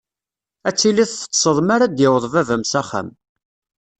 Ad tiliḍ teṭṭseḍ mara d-yaweḍ baba-m s axxam.